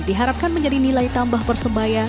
diharapkan menjadi nilai tambah persebaya